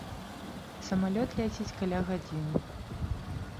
Самалёт ляціць каля гадзіны.